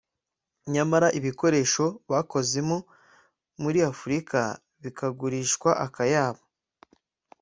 nyamara ibikoresho bakozemo muri Afurika bikagurishwa akayabo